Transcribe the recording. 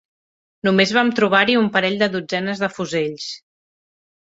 Només vam trobar-hi un parell de dotzenes de fusells